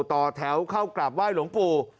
ต่อแถวเข้ากราบไหว้หลวงปู่